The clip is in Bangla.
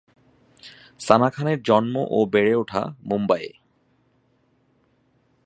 সানা খানের জন্ম ও বেড়ে ওঠা মুম্বাইয়ে।